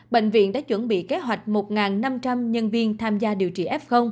bệnh viện đã chuẩn bị kế hoạch một năm trăm linh nhân viên tham gia điều trị f